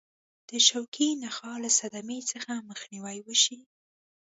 د شوکي نخاع له صدمې څخه مخنیوي وشي.